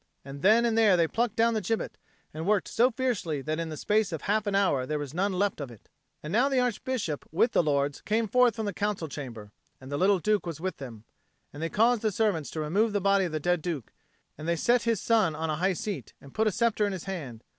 And then and there they plucked down the gibbet and worked so fiercely that in the space of half an hour there was none of it left. And now the Archbishop with the lords came forth from the council chamber, and the little Duke with them. And they caused the servants to remove the body of the dead Duke, and they set his son on a high seat, and put a sceptre in his hand.